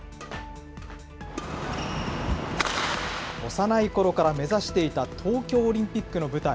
幼いころから目指していた東京オリンピックの舞台。